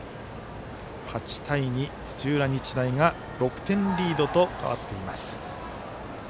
８対２、土浦日大が６点リードと変わっています。